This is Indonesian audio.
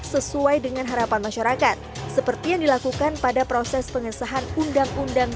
sesuai dengan harapan masyarakat seperti yang dilakukan pada proses pengesahan undang undang